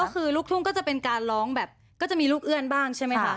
ก็คือลูกทุ่งก็จะเป็นการร้องแบบก็จะมีลูกเอื้อนบ้างใช่ไหมคะ